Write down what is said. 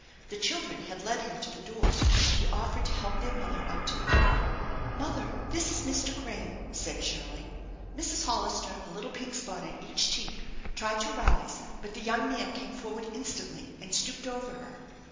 The children had led him to the door when he offered to help their mother out to the car. " Mother, this is Mr. Graham/' said Shirley. Mrs. Hollister, a little pink spot on each cheek, tried to rise, but the young man came forward instantly and stooped over her.